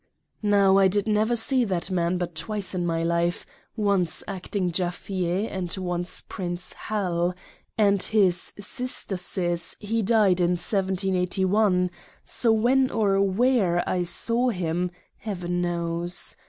Now I did never see that man but twice in my Life ; once acting Jaffier, and once Prince Hal and his Sister says he died in 178 1 — so when or where I saw him, Heaven knows.